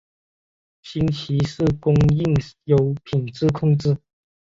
新奇士供应有品质控制。